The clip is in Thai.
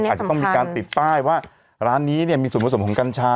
อาจจะต้องมีการติดป้ายว่าร้านนี้เนี่ยมีส่วนผสมของกัญชา